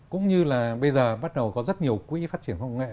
cũng như là bây giờ bắt đầu có rất nhiều quỹ phát triển khoa học công nghệ